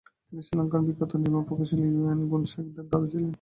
তিনি শ্রীলঙ্কার বিখ্যাত নির্মাণ প্রকৌশলী ইউ.এন. গুণসেকের দাদা ছিলেন।